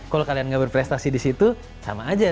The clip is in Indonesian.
kalau kalian nggak berprestasi di situ sama aja